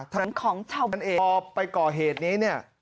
ทั้งของชาวบรรยาต่อไปก่อเหตุเนี้ย